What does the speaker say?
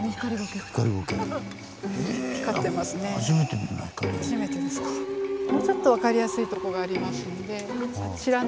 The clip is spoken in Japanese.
もうちょっと分かりやすいとこがありますのであちらの。